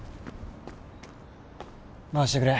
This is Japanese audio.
回してくれ。